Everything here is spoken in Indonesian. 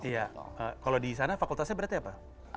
iya kalau di sana fakultasnya berarti apa